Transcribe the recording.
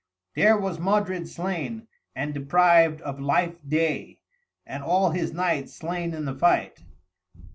"There was Modred slain, and deprived of life day, and all his knights slain in the fight.